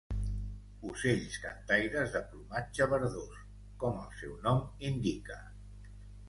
Ocells cantaires de plomatge verdós, com el seu nom indica.